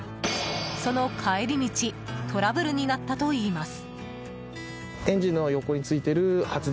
その帰り道トラブルになったといいます。